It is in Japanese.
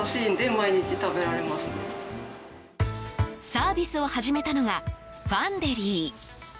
サービスを始めたのがファンデリー。